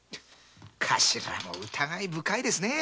頭も疑い深いですね。